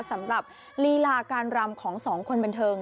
สำหรับลีลาการรำของสองคนบันเทิง